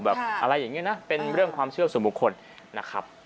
อะไรอย่างนี้นะเป็นเรื่องความเชื่อส่วนบุคคลนะครับ